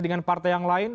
dengan partai yang lain